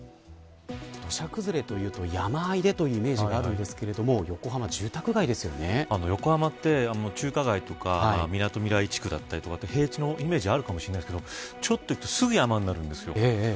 土砂崩れというと山あいでというイメージがあるんですが横浜って中華街とかみなとみらい地区だったりとか平地のイメージがあるかもしれませんがちょっと行くとすぐ山になるんです。